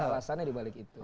jadi ada alasannya dibalik itu